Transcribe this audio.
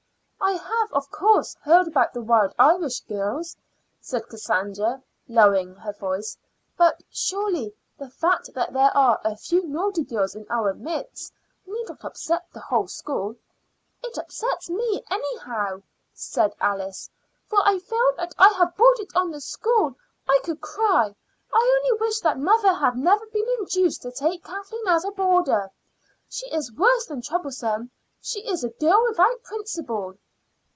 "I have, of course, heard about the Wild Irish Girls," said Cassandra, lowering her voice. "But surely the fact that there are a few naughty girls in our midst need not upset the whole school?" "It upsets me, anyhow," said Alice, "for I feel that I have brought it on the school. I could cry. I only wish that mother had never been induced to take Kathleen as a boarder. She is worse than troublesome; she is a girl without principle."